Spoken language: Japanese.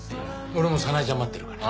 俺も早苗ちゃん待ってるから。